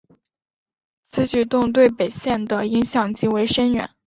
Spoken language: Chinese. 此举动对本线的影响极为深远。